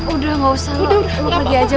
udah gak usah pergi aja